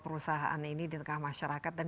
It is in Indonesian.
perusahaan ini di tengah masyarakat dan